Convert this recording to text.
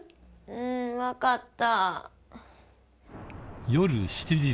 うん分かった。